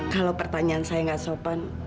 kalau pertanyaan saya nggak sopan